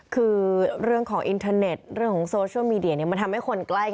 คือเรื่องของอินเทอร์เน็ตเรื่องของมันทำให้คนใกล้